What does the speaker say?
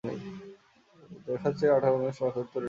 দেখাচ্ছে আঠার-উনিশ বছরের তরুণীর মতো।